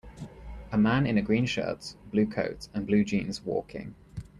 A man in a green shirt, blue coat, and blue jeans walking.